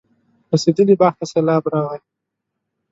رسېدلي باغ ته سېلاب راغی.